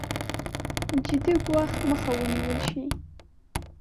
جدي ګواښ مخه ونېول شي.